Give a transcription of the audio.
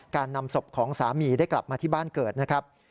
นำศพของสามีได้กลับมาที่บ้านเกิดนะครับ